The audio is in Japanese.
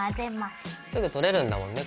すぐ取れるんだもんね